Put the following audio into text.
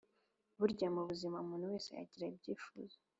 Burya mu buzima umuntu wese agira ibyifuzo